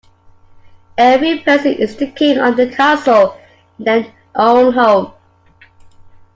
Every person is the king of the castle in their own home.